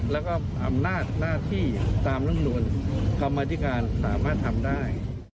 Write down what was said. และอำนาจหน้าที่ตามรัฐธรรมนูญการบันทิการสามารถทำได้